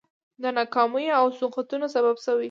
د ناکامیو او سقوطونو سبب شوي دي.